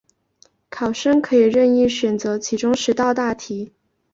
考生可以任意选择其中十道大题